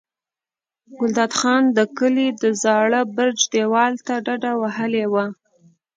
ګلداد خان د کلي د زاړه برج دېوال ته ډډه وهلې وه.